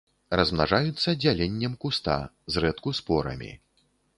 Размнажаюцца дзяленнем куста, зрэдку спорамі.